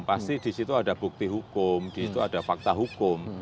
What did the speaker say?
pasti di situ ada bukti hukum di situ ada fakta hukum